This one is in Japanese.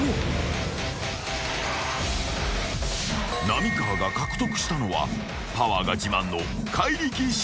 ［浪川が獲得したのはパワーが自慢の］